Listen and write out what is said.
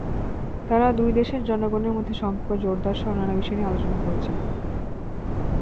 তাঁরা দুই দেশের জনগণের মধ্যে সম্পর্ক জোরদারসহ নানা বিষয় নিয়ে আলোচনা করেছেন।